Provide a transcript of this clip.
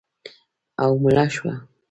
او مړه شوه